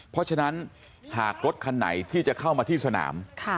เพราะฉะนั้นหากรถคันไหนที่จะเข้ามาที่สนาม